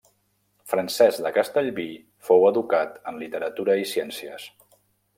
Francesc de Castellví fou educat en literatura i ciències.